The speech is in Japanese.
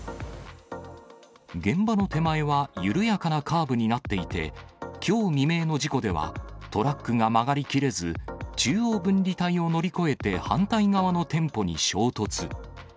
現場の手前は緩やかなカーブになっていて、きょう未明の事故では、トラックが曲がりきれず、中央分離帯を乗り越えて反対側の店舗に衝突。